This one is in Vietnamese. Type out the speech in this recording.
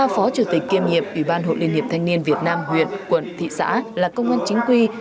ba phó chủ tịch kiêm nhiệm ủy ban hội liên hiệp thanh niên việt nam huyện quận thị xã là công an chính quy